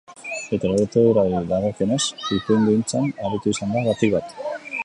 Literaturari dagokionez, ipuingintzan aritu izan da batik bat.